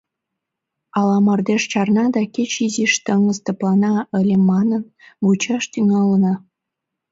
Ала мардеж чарна да кеч изиш теҥыз тыплана ыле манын, вучаш тӱҥална.